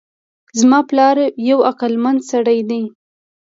زما پلار یو عقلمند سړی ده